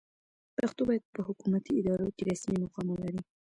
پښتو باید په حکومتي ادارو کې رسمي مقام ولري.